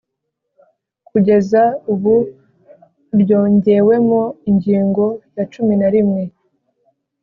Kugeza ubu ryongewemo ingingo ya cumin a rimwe